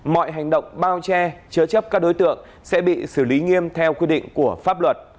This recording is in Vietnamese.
mọi hành động bao che chứa chấp các đối tượng sẽ bị xử lý nghiêm theo quy định của pháp luật